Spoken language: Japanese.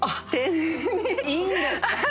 いいんですか